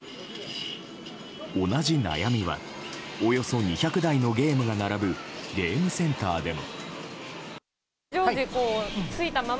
同じ悩みはおよそ２００台のゲームが並ぶゲームセンターでも。